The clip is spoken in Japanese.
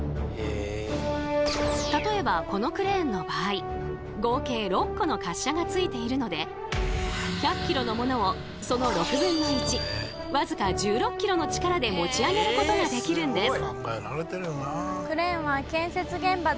例えばこのクレーンの場合合計６個の滑車がついているので１００ｋｇのものをその６分の１わずか１６ｋｇの力で持ち上げることができるんです。